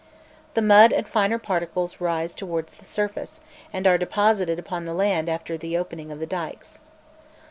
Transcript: The mud and finer particles rise towards the surface, and are deposited upon the land after the opening of the dykes.